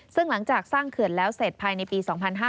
ซึ่งหลังจากสร้างเขื่อนแล้วเสร็จภายในปี๒๕๕๙